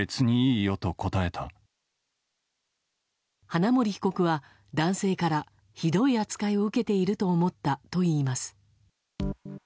花森被告は、男性からひどい扱いを受けていると思ったといいます。